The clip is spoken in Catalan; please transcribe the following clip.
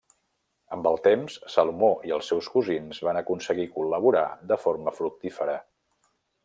Amb el temps, Salomó i els seus cosins van aconseguir col·laborar de forma fructífera.